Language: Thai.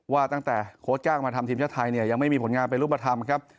ว่าตั้งแต่โค้ชจ้างมาทำทีมชาติไทยเนี่ยยังไม่มีผลงานเป็นรูปธรรมครับ